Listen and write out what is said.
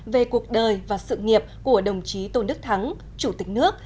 về cuộc đời và sự nghiệp của đồng chí tôn đức thắng chủ tịch nước